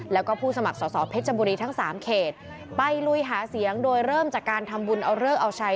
แล้วก็ผู้สมัครสอสอเพชรบุรีทั้งสามเขตไปลุยหาเสียงโดยเริ่มจากการทำบุญเอาเลิกเอาชัย